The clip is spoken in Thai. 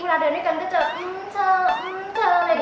ทุกร้านเดินด้วยกันก็จะอื้มเฉออื้มเฉออะไรอย่างนี้